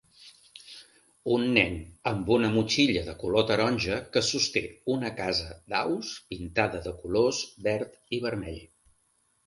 Un nen amb una motxilla de color taronja que sosté una casa d'aus pintada de colors verd i vermell.